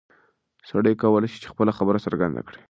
سړی کولی شي خپله خبره څرګنده کړي.